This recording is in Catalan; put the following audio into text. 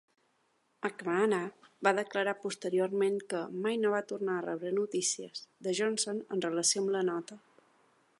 McNamara va declarar posteriorment que "mai no va tornar a rebre notícies" de Johnson en relació amb la nota.